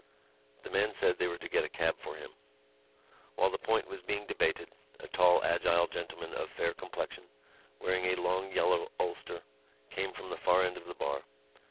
The man said they were to get a cab for him. While the point was being debated a tall agile gentleman of fair complexion, wearing a long yellow ulster, came from the far end of the bar.